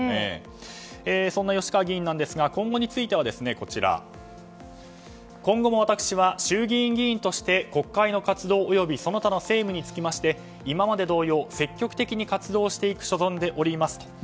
そんな吉川議員ですが今後については今後も私は衆議院議員として国会の活動及びその他の政務につきまして今まで同様、積極的に活動していく所存でおりますと。